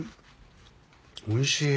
おいしい。